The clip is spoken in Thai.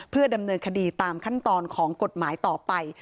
เพื่อดำเนินคดีตามขั้นตอนของกฎหมายต่อไป